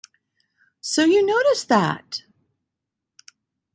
So you noticed that!